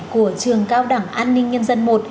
của trường cao đẳng an ninh nhân dân một